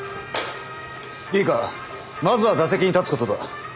いいかまずは打席に立つことだ。